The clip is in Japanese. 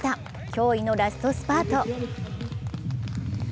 今日のラストスパート。